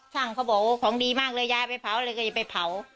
เขาบอกว่าของดีมากเลยยายไปเผาเลยก็อย่าไปเผา